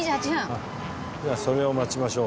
じゃあそれを待ちましょう。